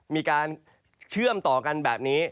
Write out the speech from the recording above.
มีการเชื่อมต่อกันแบบนี้